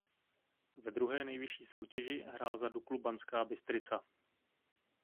Ve druhé nejvyšší soutěži hrál za Duklu Banská Bystrica.